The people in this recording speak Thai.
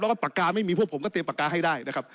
แล้วก็ปากกาไม่มีพวกผมก็เตรียมปากกาให้ได้นะครับ